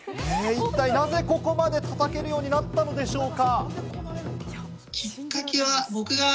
一体なぜここまで叩けるようになったのでしょうか？